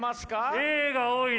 Ａが多いな！